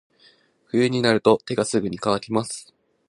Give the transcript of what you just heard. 冬になると手がすぐに乾きます。